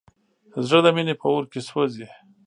زړه د مینې په اور کې سوځي.